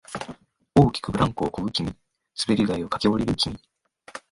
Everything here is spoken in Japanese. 大きくブランコをこぐ君、滑り台を駆け下りる君、